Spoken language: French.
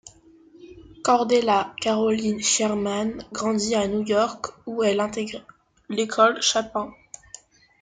Cordelia Caroline Sherman grandit à New York, où elle intègre l'école Chapin.